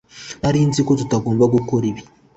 Nari nzi ko tutagomba gukora ibi